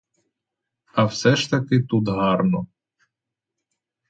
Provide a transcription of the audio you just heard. А все ж таки тут гарно.